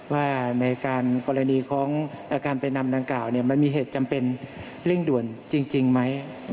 ว่าในการกรณีของการไปนำดังกล่าวมันมีเหตุจำเป็นเร่งด่วนจริงไหม